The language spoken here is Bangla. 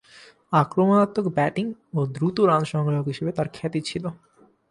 আক্রমণাত্মক ব্যাটিং ও দ্রুত রান সংগ্রাহক হিসেবে তার খ্যাতি ছিল।